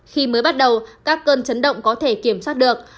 khi mới bắt đầu các cơn chấn động có thể kiểm soát được